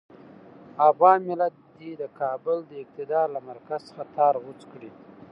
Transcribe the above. افغان ملت دې د کابل د اقتدار له مرکز څخه تار غوڅ کړي.